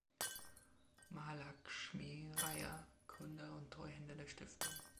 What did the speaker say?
Mahalakshmi Raja, Gründer und Treuhänder der Stiftung.